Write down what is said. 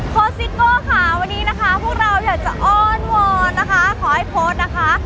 ซิโก้ค่ะวันนี้นะคะพวกเราอยากจะอ้อนวอนนะคะขอให้โพสต์นะคะ